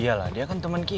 iyalah dia kan temen kita